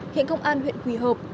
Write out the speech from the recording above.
hiện công an huyện quỳ hợp